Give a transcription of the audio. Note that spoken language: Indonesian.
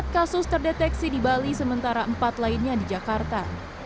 empat kasus terdeteksi di bali sementara empat lainnya di jakarta